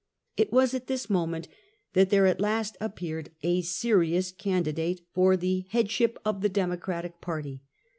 It was at this moment that there at last appeared a serious candidate for the headship of the Democratic party.